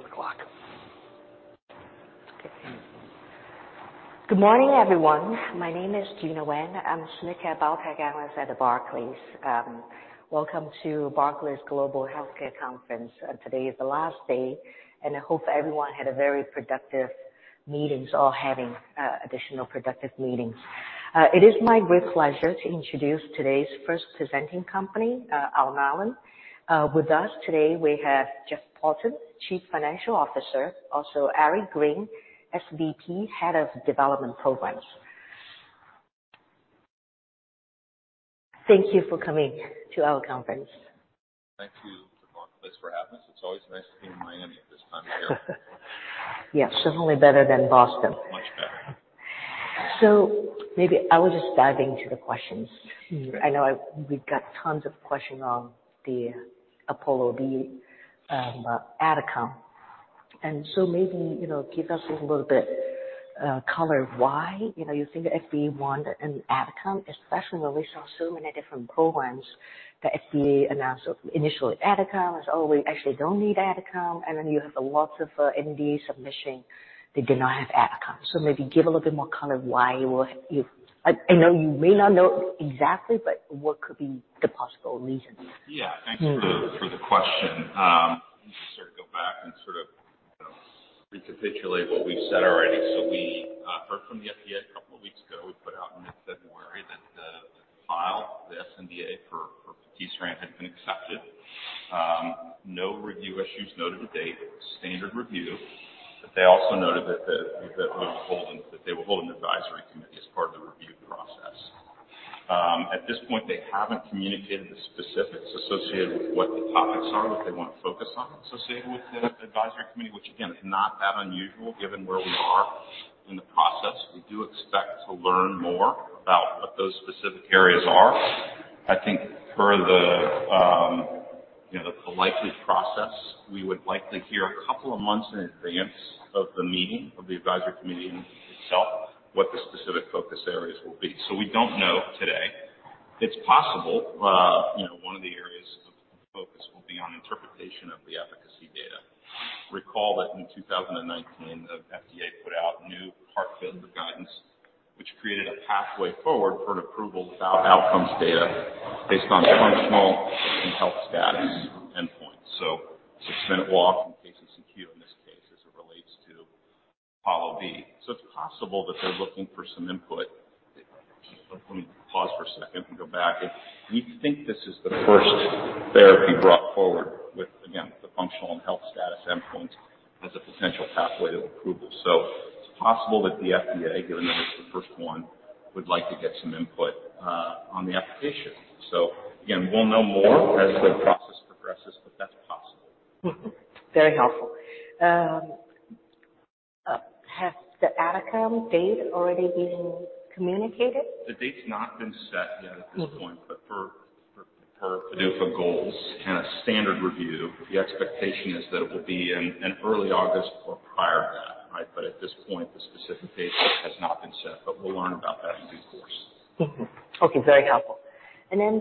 We're on the clock. Okay. Good morning, everyone. My name is Gena Wang. I'm senior care biotech analyst at Barclays. Welcome to Barclays Global Healthcare Conference. Today is the last day, I hope everyone had a very productive meetings or having additional productive meetings. It is my great pleasure to introduce today's first presenting company, Alnylam. With us today we have Jeff Poulton, Chief Financial Officer, also Eric Green, SVP, Head of Development Programs. Thank you for coming to our conference. Thank you to Barclays for having us. It's always nice to be in Miami at this time of year. Yes, certainly better than Boston. Much better. Maybe I will just dive into the questions. Sure. I know we've got tons of questions on the APOLLO-B outcome. Maybe, you know, give us a little bit color why, you know, you think the FDA wanted an outcome, especially when we saw so many different programs the FDA announced initially outcome, we actually don't need outcome? You have lots of NDA submission that did not have outcome. Maybe give a little bit more color why you, I know you may not know exactly, but what could be the possible reasons? Yeah. Thanks for the, for the question. Let me sort of go back and sort of, you know, recapitulate what we've said already. We heard from the FDA a couple of weeks ago. We put out in mid-February that the file, the sNDA for patisiran had been accepted. No review issues noted to date. Standard review, they also noted that. Mm-hmm. That they will hold an advisory committee as part of the review process. At this point, they haven't communicated the specifics associated with what the topics are that they want to focus on associated with the advisory committee, which again is not that unusual given where we are in the process. We do expect to learn more about what those specific areas are. I think per the, you know, the likely process, we would likely hear a couple of months in advance of the meeting of the advisory committee itself, what the specific focus areas will be. We don't know today. It's possible, you know, one of the areas of focus will be on interpretation of the efficacy data. Recall that in 2019, the FDA put out new heart failure guidance, which created a pathway forward for an approval without outcomes data based on functional and health status endpoints. six minute walk and KCCQ in this case as it relates to APOLLO-B. It's possible that they're looking for some input. Let me pause for a second and go back. If you think this is the first therapy brought forward with, again, the functional and health status endpoints as a potential pathway to approval. It's possible that the FDA, given that it's the first one, would like to get some input on the application. Again, we'll know more as the process progresses, but that's possible. Very helpful. Has the outcome date already been communicated? The date's not been set yet at this point. Mm-hmm. For, per FDA goals and a standard review, the expectation is that it will be in early August or prior to that, right? At this point, the specific date has not been set. We'll learn about that in due course. Okay. Very helpful.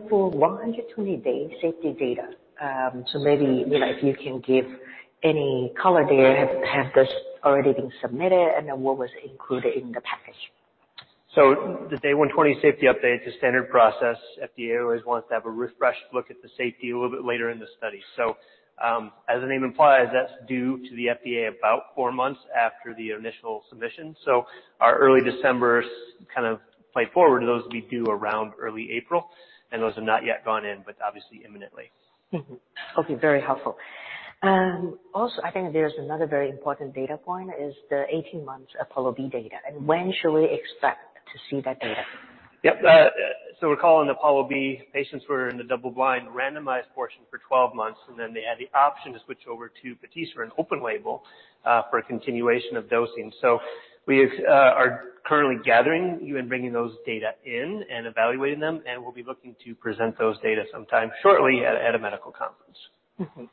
For 120-days safety data, maybe, you know, if you can give any color there. Has this already been submitted? Then what was included in the package? The day 120 safety update is a standard process. FDA always wants to have a refreshed look at the safety a little bit later in the study. As the name implies, that's due to the FDA about four months after the initial submission. Our early December's kind of play forward. Those will be due around early April and those have not yet gone in, but obviously imminently. Okay. Very helpful. Also I think there's another very important data point is the 18-months APOLLO-B data. When should we expect to see that data? Yep. Recall in APOLLO-B, patients were in the double-blind randomized portion for 12-months. They had the option to switch over to patisiran open label for a continuation of dosing. We are currently gathering even bringing those data in and evaluating them. We'll be looking to present those data sometime shortly at a medical conference.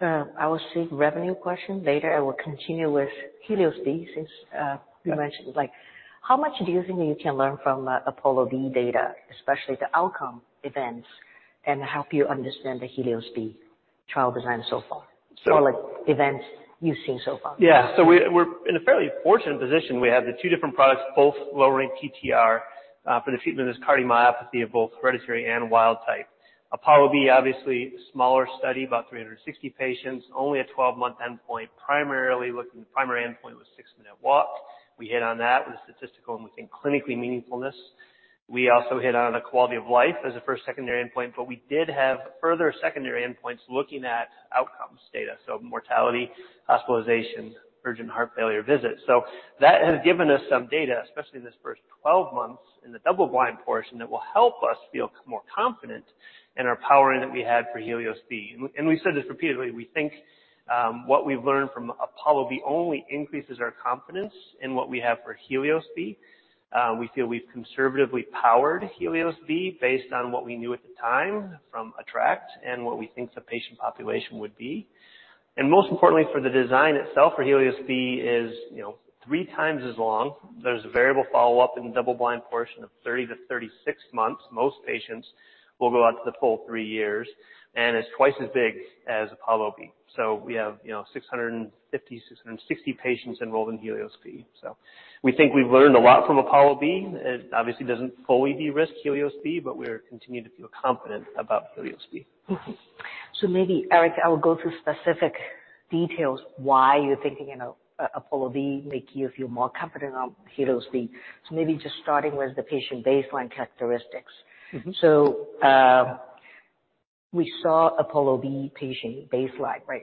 I will seek revenue question later. I will continue with HELIOS-B since. Yeah. You mentioned, like how much do you think you can learn from APOLLO-B data, especially the outcome events and help you understand the HELIOS-B trial design so far? So-. Like events you've seen so far. We're in a fairly fortunate position. We have the two different products, both lowering TTR for the treatment of this cardiomyopathy of both hereditary and wild type. APOLLO-B obviously smaller study, about 360 patients, only a 12-month endpoint. The primary endpoint was six minute walk. We hit on that with a statistical and we think clinically meaningfulness. We also hit on a quality of life as a first secondary endpoint, we did have further secondary endpoints looking at outcomes data. Mortality, hospitalization, urgent heart failure visit. That has given us some data, especially in this first 12-months in the double-blind portion, that will help us feel more confident in our powering that we had for HELIOS-B. We've said this repeatedly, we think, what we've learned from APOLLO-B only increases our confidence in what we have for HELIOS-B. We feel we've conservatively powered HELIOS-B based on what we knew at the time from ATTRACT and what we think the patient population would be. Most importantly for the design itself, for HELIOS-B is, you know, three times as long. There's a variable follow-up and double blind portion of 30-36 months. Most patients will go out to the full three years, and it's twice as big as APOLLO-B. We have, you know, 650, 660 patients enrolled in HELIOS-B. We think we've learned a lot from APOLLO-B. It obviously doesn't fully de-risk HELIOS-B, but we're continuing to feel confident about HELIOS-B. maybe, Eric, I will go through specific details why you're thinking, you know, APOLLO-B make you feel more confident on HELIOS-B. maybe just starting with the patient baseline characteristics. Mm-hmm. we saw APOLLO-B patient baseline, right?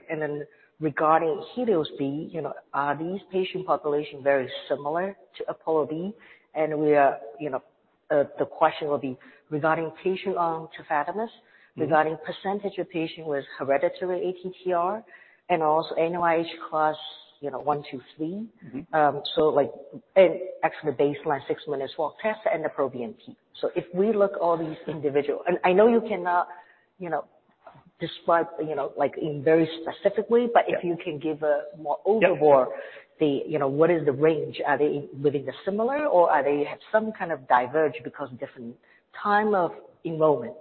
Regarding HELIOS-B, you know, are these patient population very similar to APOLLO-B? We are, you know, the question will be regarding patient on tafamidis, regarding percentage of patient with hereditary ATTR and also NYHA class, you know, one, two, three. Mm-hmm. Like, and actually baseline six minute walk test and the NT-proBNP. If we look all these individual and I know you cannot, you know, describe, you know, like in very specific way... Yeah. If you can give a more. Yeah. Overall the, you know, what is the range? Are they within the similar or are they have some kind of diverge because different time of enrollment?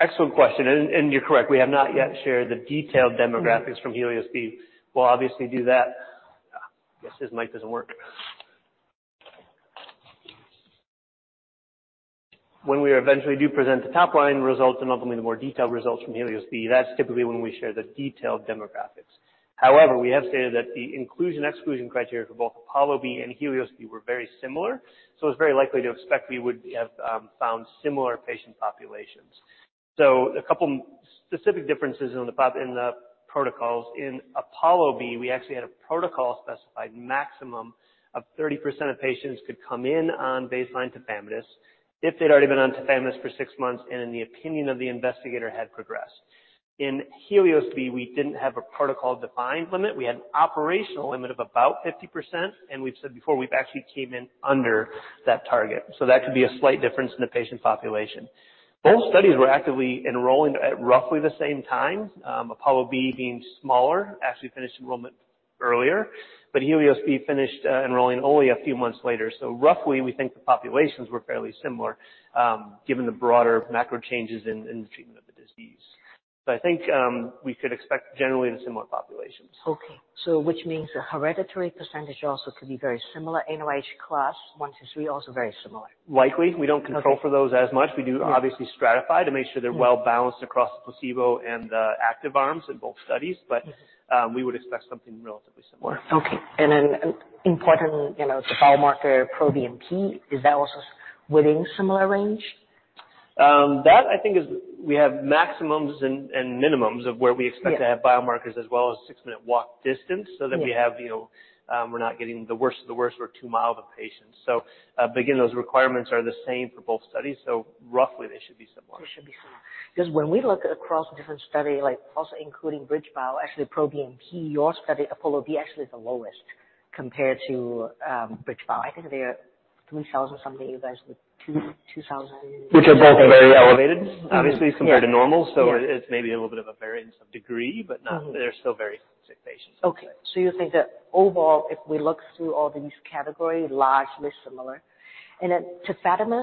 Excellent question. And you're correct, we have not yet shared the detailed demographics from HELIOS-B. We'll obviously do that. Guess this mic doesn't work. When we eventually do present the top line results and ultimately the more detailed results from HELIOS-B, that's typically when we share the detailed demographics. We have stated that the inclusion, exclusion criteria for both APOLLO-B and HELIOS-B were very similar, so it's very likely to expect we would have found similar patient populations. A couple specific differences on the top in the protocols. In APOLLO-B, we actually had a protocol specified maximum of 30% of patients could come in on baseline tafamidis if they'd already been on tafamidis for 6 months, and in the opinion of the investigator had progressed. In HELIOS-B, we didn't have a protocol-defined limit. We had an operational limit of about 50%, and we've said before we've actually came in under that target. That could be a slight difference in the patient population. Both studies were actively enrolling at roughly the same time. APOLLO-B being smaller, actually finished enrollment earlier, but HELIOS-B finished enrolling only a few months later. Roughly, we think the populations were fairly similar, given the broader macro changes in the treatment of the disease. I think, we could expect generally in similar populations. Okay. Which means the hereditary percentage also could be very similar, NYHA class one to three, also very similar. Likely. Okay. We don't control for those as much. We do obviously stratify to make sure they're well-balanced across the placebo and the active arms in both studies, but we would expect something relatively similar. Okay. Importantly, you know, the biomarker NT-proBNP, is that also within similar range? That I think is we have maximums and minimums of where. Yeah. To have biomarkers as well as six minute walk distance so that we have, you know, we're not getting the worst of the worst or too mild of patients. Again, those requirements are the same for both studies. Roughly they should be similar. They should be similar. 'Cause when we look across different study, like also including BridgeBio, actually NT-proBNP, your study, APOLLO-B actually is the lowest compared to BridgeBio. I think they are 3,000 something. You guys were 2,000. Which are both very elevated, obviously compared to normal. Yeah. It's maybe a little bit of a variance of degree, but. Mm-hmm. They're still very sick patients. You think that overall, if we look through all these category, largely similar? Tafamidis,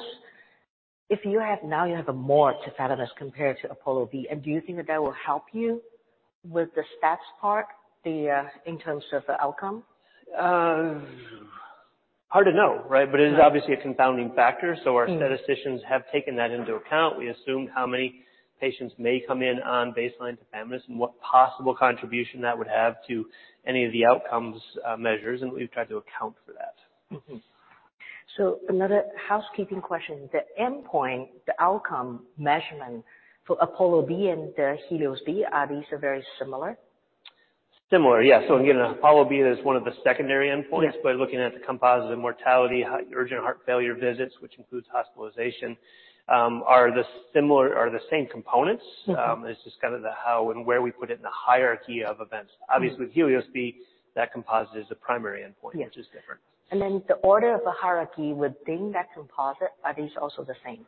if you have now you have a more tafamidis compared to APOLLO-B, and do you think that that will help you with the stats part, the in terms of the outcome? Hard to know, right? It is obviously a confounding factor. Mm. Our statisticians have taken that into account. We assumed how many patients may come in on baseline tafamidis, and what possible contribution that would have to any of the outcomes, measures, and we've tried to account for that. Mm-hmm. Another housekeeping question. The endpoint, the outcome measurement for APOLLO-B and the HELIOS-B, are these very similar? Similar, yeah. Again, APOLLO-B is one of the secondary endpoints. Yeah. By looking at the composite of mortality, urgent heart failure visits, which includes hospitalization, are the similar or the same components. Mm-hmm. It's just kind of the how and where we put it in the hierarchy of events. Mm-hmm. With HELIOS-B, that composite is the primary endpoint. Yeah. Which is different. The order of the hierarchy within that composite, are these also the same?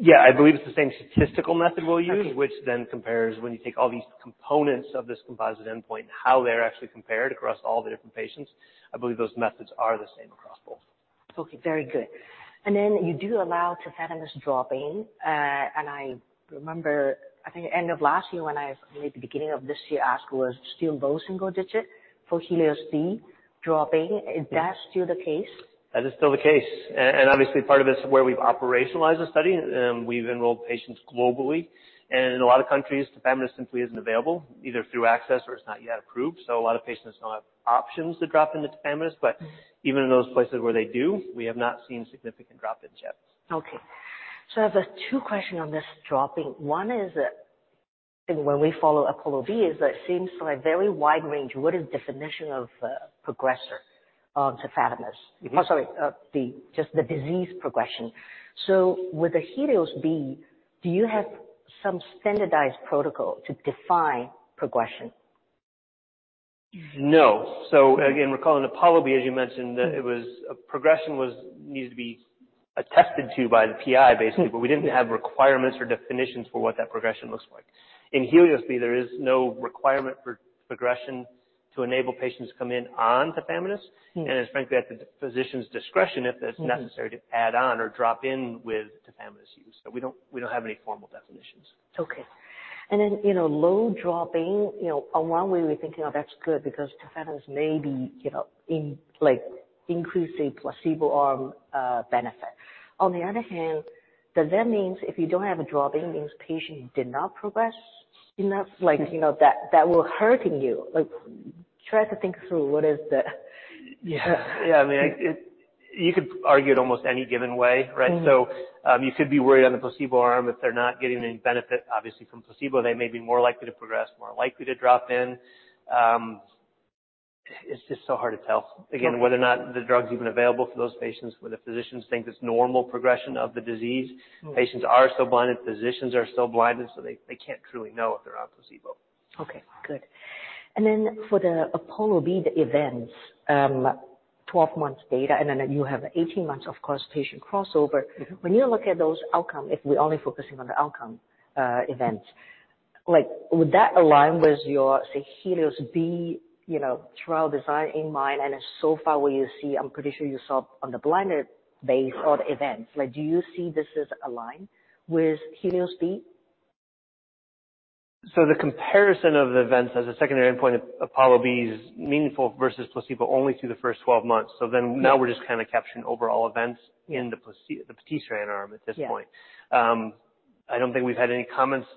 Yeah, I believe it's the same statistical method we'll use. Okay. Which then compares when you take all these components of this composite endpoint, how they're actually compared across all the different patients. I believe those methods are the same across both. Okay, very good. You do allow tafamidis dropping. I remember, I think end of last year when maybe beginning of this year asked was still low single digit for HELIOS-B dropping. Is that still the case? That is still the case. Obviously part of it's where we've operationalized the study, we've enrolled patients globally. In a lot of countries, tafamidis simply isn't available either through access or it's not yet approved. A lot of patients don't have options to drop into tafamidis, but even in those places where they do, we have not seen significant drop-ins yet. Okay. I have two questions on this dropping. One is that when we follow APOLLO-B is that it seems from a very wide range, what is definition of, progressor on tafamidis? Mm. Oh, sorry. Just the disease progression. With the HELIOS-B, do you have some standardized protocol to define progression? No. Again, recall in APOLLO-B, as you mentioned, that it was a progression was needed to be attested to by the PI basically, but we didn't have requirements or definitions for what that progression looks like. In HELIOS-B, there is no requirement for progression to enable patients to come in on tafamidis and it's frankly at the physician's discretion if it's necessary to add on or drop in with tafamidis use. We don't have any formal definitions. Okay. you know, low drop-in, you know, on one way we're thinking, oh, that's good because tafamidis may be, you know, in like increasing placebo arm, benefit. On the other hand, does that means if you don't have a drop-in, means patient did not progress enough? Like, you know, that will hurting you. Like, try to think through what is the. Yeah. Yeah. I mean, you could argue it almost any given way, right? Mm-hmm. You could be worried on the placebo arm if they're not getting any benefit, obviously, from placebo, they may be more likely to progress, more likely to drop in. It's just so hard to tell. Okay. Again, whether or not the drug's even available for those patients, whether physicians think it's normal progression of the disease. Mm. Patients are still blinded, physicians are still blinded, so they can't truly know if they're on placebo. Okay, good. For the APOLLO-B events, 12-months data, and then you have 18-months, of course, patient crossover. Mm-hmm. When you look at those outcome, if we're only focusing on the outcome, events, like would that align with your, say, HELIOS-B, you know, trial design in mind? So far, I'm pretty sure you saw on the blinder base or the events. Like, do you see this is aligned with HELIOS-B? The comparison of the events as a secondary endpoint of APOLLO-B is meaningful versus placebo only through the first 12-months. Now we're just kinda capturing overall events in the patisiran arm at this point. Yeah. I don't think we've had any comments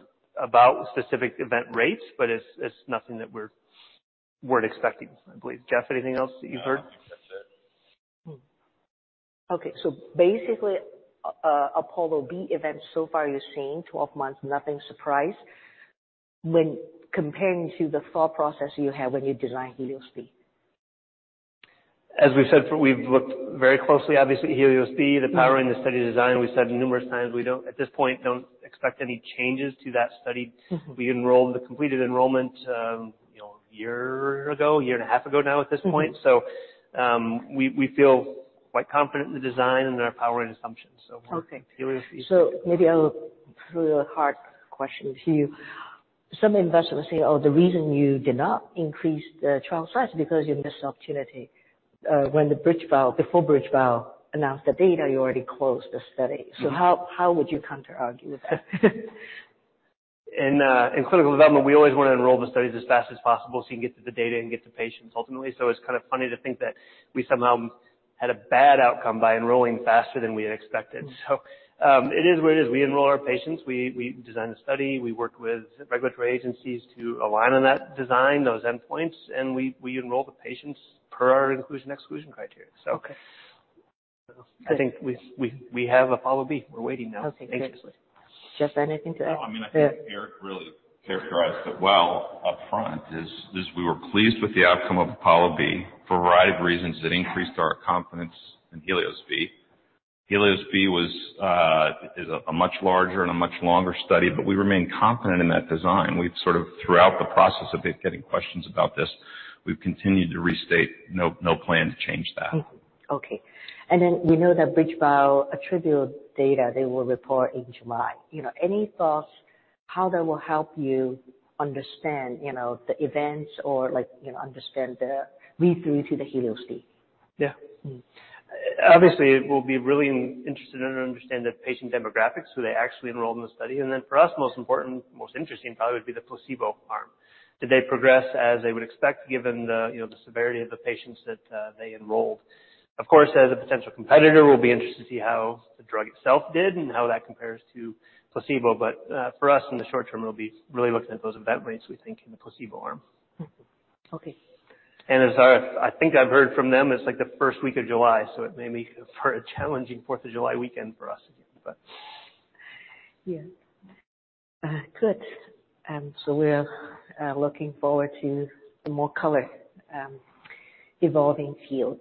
about specific event rates, but it's nothing that weren't expecting, I believe. Jeff, anything else that you've heard? No, I think that's it. Basically, APOLLO-B events so far you're seeing 12-months, nothing surprise when comparing to the thought process you had when you designed HELIOS-B. As we've said we've looked very closely, obviously at HELIOS-B, the power in the study design. We've said numerous times we don't expect any changes to that study. Mm-hmm. We enrolled the completed enrollment, you know, a year ago, a year and a half ago now at this point. Mm-hmm. We feel quite confident in the design and our powering assumptions. Okay. HELIOS is-. Maybe I'll throw a hard question to you. Some investors say, "Oh, the reason you did not increase the trial size because you missed the opportunity, before BridgeBio announced the data, you already closed the study. Mm-hmm. How would you counter-argue with that? In, in clinical development, we always wanna enroll the studies as fast as possible so we can get to the data and get to patients ultimately. It's kinda funny to think that we somehow had a bad outcome by enrolling faster than we had expected. It is what it is. We enroll our patients. We design the study, we work with regulatory agencies to align on that design, those endpoints, and we enroll the patients per our inclusion/exclusion criteria. Okay. I think we have APOLLO-B. We're waiting now. Okay, good. Anxiously. Jeff, anything to add? No, I mean, I think Eric really characterized it well up front, is we were pleased with the outcome of APOLLO-B for a variety of reasons that increased our confidence in HELIOS-B. HELIOS-B was, is a much larger and a much longer study, but we remain confident in that design. We've sort of throughout the process of getting questions about this, we've continued to restate no plan to change that. Mm-hmm. Okay. Then we know that BridgeBio attributed data they will report in July. You know, any thoughts how that will help you understand, you know, the events or like, you know, understand the read-through to the HELIOS-B? Yeah. Obviously, we'll be really interested in understanding the patient demographics, who they actually enrolled in the study. For us, most important, most interesting probably would be the placebo arm. Did they progress as they would expect given the, you know, the severity of the patients that they enrolled? Of course, as a potential competitor, we'll be interested to see how the drug itself did and how that compares to placebo. For us in the short term, it'll be really looking at those event rates, we think, in the placebo arm. Mm-hmm. Okay. As far as I think I've heard from them, it's like the first week of July, so it may make for a challenging Fourth of July weekend for us. Yeah. Good. We're looking forward to the more color, evolving field.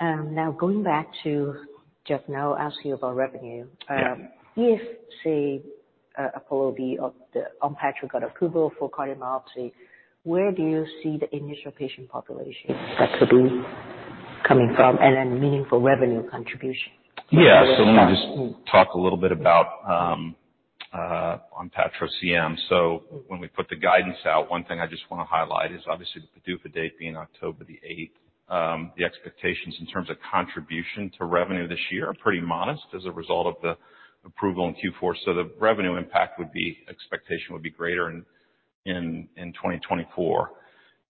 Going back to Jeff, now asking about revenue. Yeah. If, say, APOLLO-B of the ONPATTRO got approval for cardiomyopathy, where do you see the initial patient population that could be coming from and then meaningful revenue contribution? Let me just talk a little bit about ONPATTRO CM. When we put the guidance out, one thing I just wanna highlight is obviously the PDUFA date being October 8th. The expectations in terms of contribution to revenue this year are pretty modest as a result of the approval in Q4. The revenue impact expectation would be greater in 2024.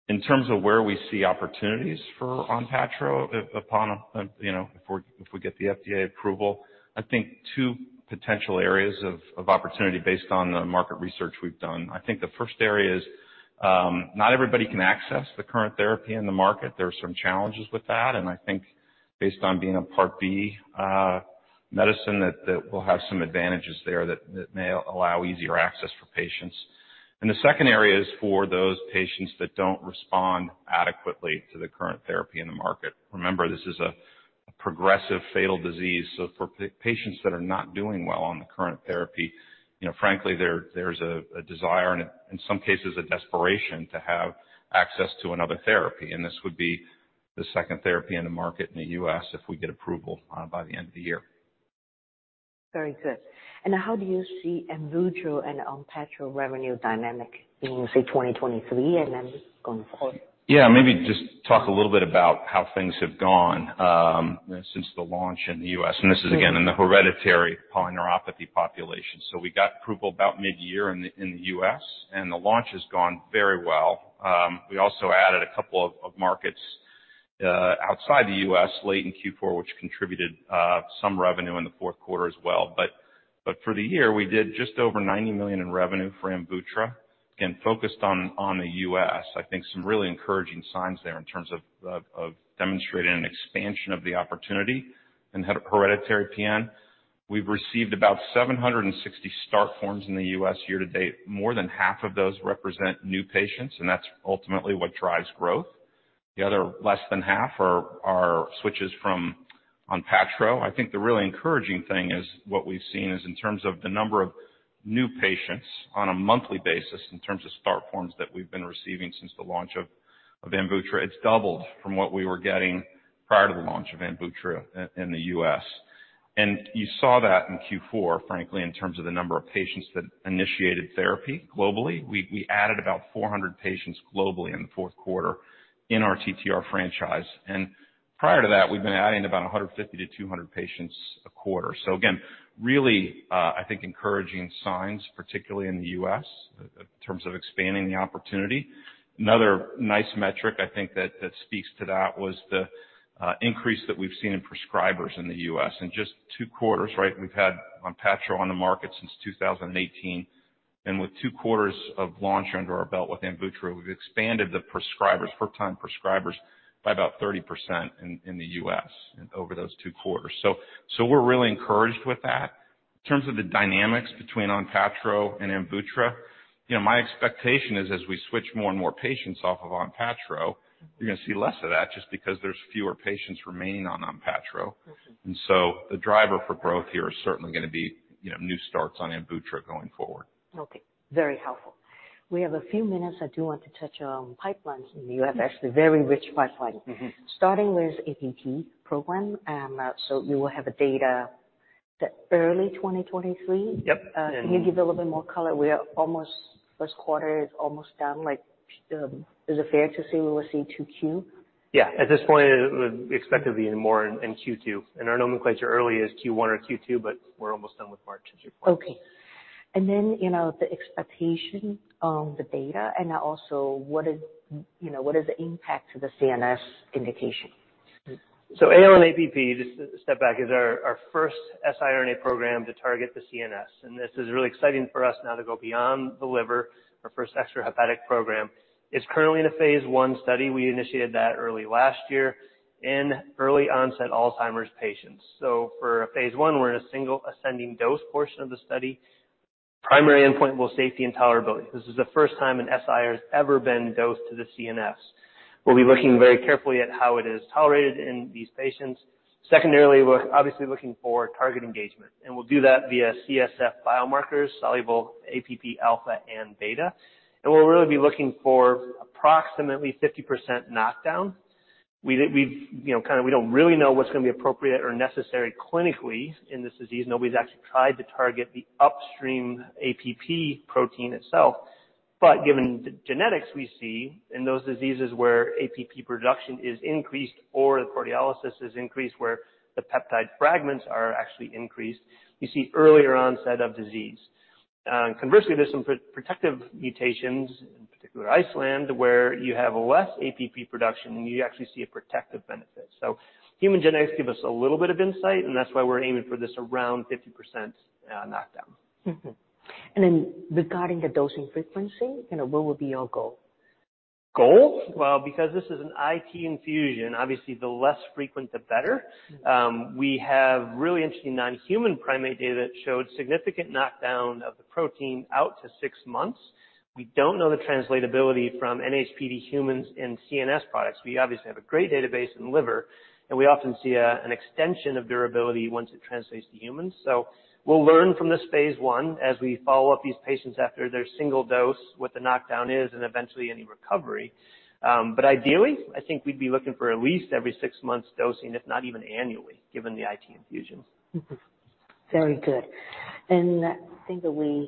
In terms of where we see opportunities for ONPATTRO, upon, you know, if we get the FDA approval, I think two potential areas of opportunity based on the market research we've done. I think the first area is, not everybody can access the current therapy in the market. There are some challenges with that, I think based on being a Part B medicine that will have some advantages there that may allow easier access for patients. The second area is for those patients that don't respond adequately to the current therapy in the market. Remember, this is. Progressive fatal disease. For patients that are not doing well on the current therapy, you know, frankly, there's a desire and in some cases a desperation to have access to another therapy. This would be the second therapy in the market in the U.S. if we get approval by the end of the year. Very good. How do you see AMVUTTRA and ONPATTRO revenue dynamic in, say, 2023 going forward? Yeah. Maybe just talk a little bit about how things have gone since the launch in the U.S., and this is again in the hereditary polyneuropathy population. We got approval about mid-year in the U.S., and the launch has gone very well. We also added a couple of markets outside the U.S. late in Q4, which contributed some revenue in the fourth quarter as well. For the year, we did just over $90 million in revenue for AMVUTTRA, again, focused on the U.S., I think some really encouraging signs there in terms of demonstrating an expansion of the opportunity in hereditary PN. We've received about 760 start forms in the U.S. year to date. More than half of those represent new patients, and that's ultimately what drives growth. The other less than half are switches from ONPATTRO. I think the really encouraging thing is what we've seen is in terms of the number of new patients on a monthly basis in terms of start forms that we've been receiving since the launch of AMVUTTRA, it's doubled from what we were getting prior to the launch of AMVUTTRA in the U.S., You saw that in Q4, frankly, in terms of the number of patients that initiated therapy globally. We added about 400 patients globally in the fourth quarter in our TTR franchise, and prior to that, we've been adding about 150-200 patients a quarter. Again, really, I think encouraging signs, particularly in the U.S. in terms of expanding the opportunity. Another nice metric I think that speaks to that was the increase that we've seen in prescribers in the U.S. In just two quarters, right, we've had ONPATTRO on the market since 2018, and with two quarters of launch under our belt with AMVUTTRA, we've expanded the prescribers, first-time prescribers, by about 30% in the U.S. over those two quarters. We're really encouraged with that. In terms of the dynamics between ONPATTRO and AMVUTTRA, you know, my expectation is as we switch more and more patients off of ONPATTRO, you're gonna see less of that just because there's fewer patients remaining on ONPATTRO. Mm-hmm. The driver for growth here is certainly gonna be, you know, new starts on AMVUTTRA going forward. Okay. Very helpful. We have a few minutes. I do want to touch on pipelines. You have actually very rich pipeline. Mm-hmm. Starting with APP program. You will have a data set early 2023. Yep. Can you give a little bit more color? First quarter is almost done, like, is it fair to say we will see 2Q? Yeah. At this point, we expect it to be more in Q2. Our nomenclature early is Q1 or Q2, but we're almost done with March and Q4. Okay. You know, the expectation on the data and also what is, you know, what is the impact to the CNS indication? ALN-APP, just to step back, is our first siRNA program to target the CNS. This is really exciting for us now to go beyond the liver, our first extrahepatic program. It's currently in a phase I study. We initiated that early last year in early-onset Alzheimer's patients. For phase I, we're in a single ascending dose portion of the study. Primary endpoint will safety and tolerability. This is the first time an SI has ever been dosed to the CNS. We'll be looking very carefully at how it is tolerated in these patients. Secondarily, we're obviously looking for target engagement, and we'll do that via CSF biomarkers, soluble APP alpha and beta. We'll really be looking for approximately 50% knockdown. We've, you know, kinda we don't really know what's gonna be appropriate or necessary clinically in this disease. Nobody's actually tried to target the upstream APP protein itself. Given the genetics we see in those diseases where APP production is increased or the proteolysis is increased, where the peptide fragments are actually increased, you see earlier onset of disease. Conversely, there's some pro-protective mutations, in particular Iceland, where you have less APP production and you actually see a protective benefit. Human genetics give us a little bit of insight, and that's why we're aiming for this around 50% knockdown. Mm-hmm. Regarding the dosing frequency, you know, what will be your goal? Goal? Well, because this is an intrathecal infusion, obviously the less frequent, the better. We have really interesting non-human primate data that showed significant knockdown of the protein out to six months. We don't know the translatability from NHP to humans in CNS products. We obviously have a great database in liver, we often see an extension of durability once it translates to humans. We'll learn from this phase I as we follow up these patients after their single dose, what the knockdown is and eventually any recovery. Ideally, I think we'd be looking for at least every six months dosing, if not even annually, given the IT infusions. Very good. Maybe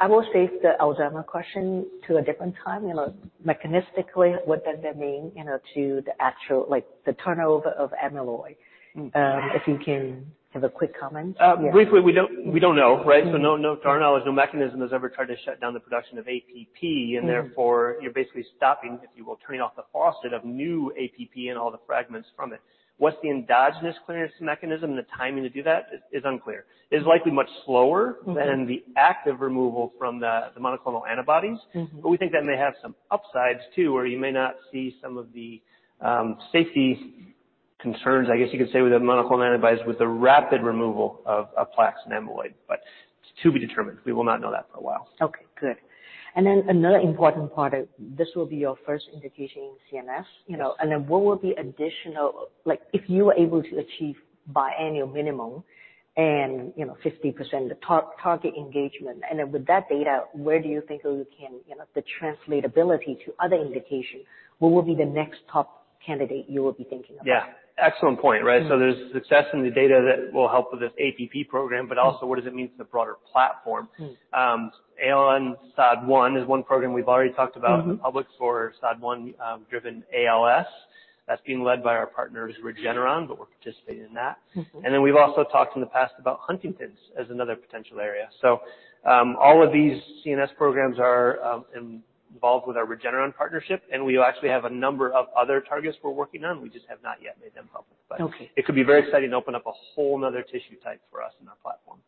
I will save the Alzheimer question to a different time. You know, mechanistically, what does that mean, you know, to the actual, like, the turnover of amyloid? If you can have a quick comment. Yeah. Briefly, we don't know, right? No, no, to our knowledge, no mechanism has ever tried to shut down the production of APP, and therefore you're basically stopping, if you will, turning off the faucet of new APP and all the fragments from it. What's the endogenous clearance mechanism and the timing to do that is unclear. It's likely much slower. Mm-hmm. than the active removal from the monoclonal antibodies. Mm-hmm. We think that may have some upsides too, where you may not see some of the safety Concerns, I guess you could say, with the monoclonal antibodies, with the rapid removal of plaques and amyloid, but it's to be determined. We will not know that for a while. Okay, good. Another important part of this will be your first indication in CNS. Yes. You know, then what will be Like, if you were able to achieve biannual minimum and, you know, 50% the target engagement, then with that data, where do you think you can, you know, the translatability to other indications, what will be the next top candidate you will be thinking about? Yeah. Excellent point, right? Mm-hmm. there's success in the data that will help with this APP program. Mm-hmm. Also what does it mean for the broader platform? Mm. ALN-SOD1 is one program we've already talked about. Mm-hmm. with the public for SOD1 driven ALS. That's being led by our partners, Regeneron, but we're participating in that. Mm-hmm. We've also talked in the past about Huntington's as another potential area. All of these CNS programs are involved with our Regeneron partnership, and we actually have a number of other targets we're working on. We just have not yet made them public. Okay. It could be very exciting to open up a whole another tissue type for us in our platform.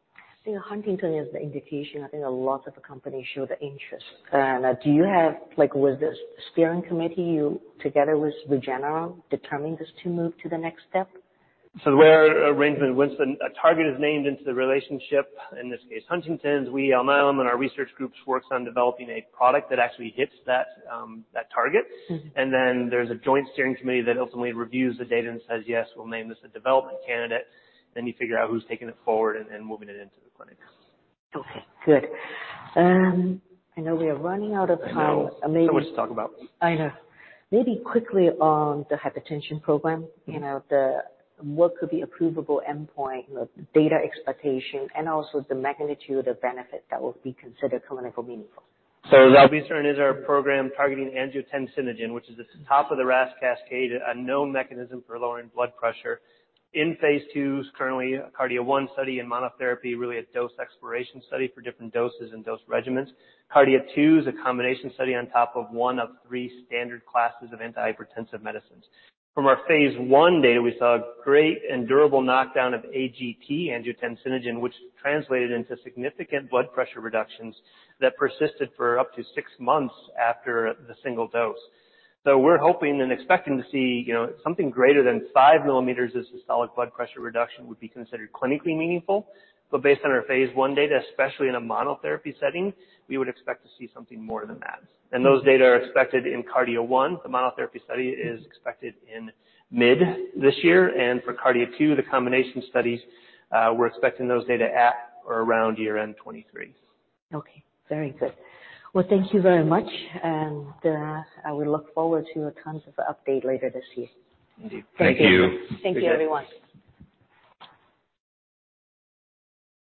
I think Huntington's is the indication I think a lot of companies show the interest. Like, was the steering committee, you together with Regeneron, determining this to move to the next step? Where arrangement, once a target is named into the relationship, in this case, Huntington's, we on our element, our research groups works on developing a product that actually hits that that target. Mm-hmm. There's a joint steering committee that ultimately reviews the data and says, "Yes, we'll name this a development candidate." You figure out who's taking it forward and moving it into the clinic. Okay, good. I know we are running out of time. I know. Maybe-. Much to talk about. I know. Maybe quickly on the hypertension program. Mm-hmm. You know, the what could be approvable endpoint, you know, data expectation, and also the magnitude of benefit that will be considered clinical meaningful. ..zilebesiran is our program targeting angiotensinogen, which is at the top of the RAS cascade, a known mechanism for lowering blood pressure. In phase II, it's currently a KARDIA-1 study and monotherapy, really a dose exploration study for different doses and dose regimens. KARDIA-2 is a combination study on top of one of three standard classes of antihypertensive medicines. From our phase I data, we saw a great and durable knockdown of AGT, angiotensinogen, which translated into significant blood pressure reductions that persisted for up to six months after the single dose. we're hoping and expecting to see, you know, something greater than 5 millimeters of systolic blood pressure reduction would be considered clinically meaningful. based on our phase I data, especially in a monotherapy setting, we would expect to see something more than that. those data are expected in KARDIA-1. The monotherapy study is expected in mid this year. For KARDIA-2, the combination studies, we're expecting those data at or around year-end 2023. Okay. Very good. Well, thank you very much, and I will look forward to a tons of update later this year. Thank you. Thank you, everyone.